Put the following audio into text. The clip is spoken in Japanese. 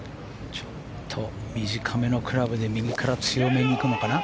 ちょっと短めのクラブで右から強めに行くのかな。